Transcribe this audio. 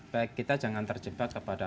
baik kita jangan terjebak kepada